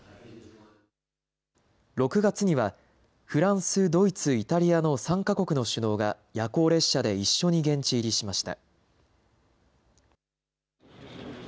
６月にはフランス、ドイツ、イタリアの３か国の首脳が夜行列車で一緒に現地入りしました。